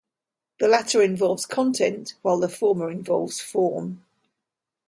The latter involves "content" while the former involves "form".